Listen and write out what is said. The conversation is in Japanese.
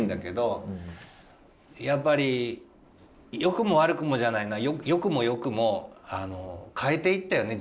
やっぱり良くも悪くもじゃないな良くも良くも変えていったよね